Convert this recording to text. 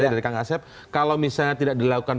dari kang asep kalau misalnya tidak dilakukan